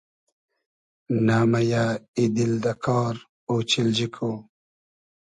نۂ مئیۂ ای دیل دۂ کار ، اۉچیلجی کو